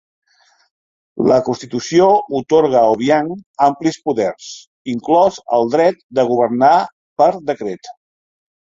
La constitució atorga a Obiang amplis poders, inclòs el dret a governar per decret.